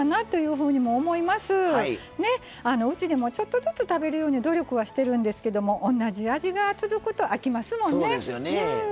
うちでもちょっとずつ食べるように努力はしてるんですけども同じ味が続くと飽きますもんね。